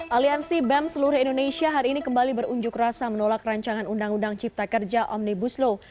aliansi bem seluruh indonesia hari ini kembali berunjuk rasa menolak rancangan undang undang cipta kerja omnibus law